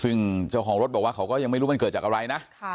ซึ่งเจ้าของรถบอกว่าเขาก็ยังไม่รู้มันเกิดจากอะไรนะ